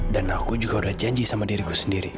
dan aku juga udah janji sama diriku sendiri